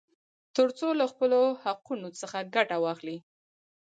ترڅو له خپلو حقوقو څخه ګټه واخلي.